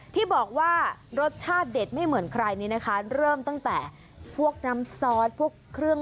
ที่บอกว่ารสชาติเด็ดไม่เหมือนใครนี้นะคะเริ่มตั้งแต่พวกน้ำซอสพวกเครื่อง